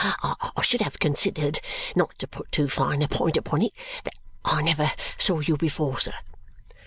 I should have considered not to put too fine a point upon it that I never saw you before, sir."